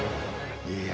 いや。